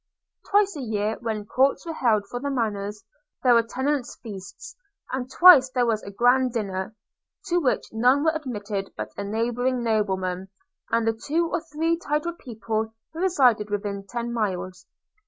Twice a year, when courts were held for the manors, there were tenants feasts – and twice there was a grand dinner, to which none were admitted but a neighbouring nobleman, and the two or three titled people who resided within ten miles.